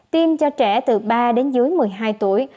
tiêm cho trẻ từ ba đến dưới một mươi hai tuổi